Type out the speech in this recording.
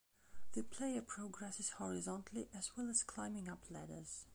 The player progresses horizontally as well as climbing up ladders.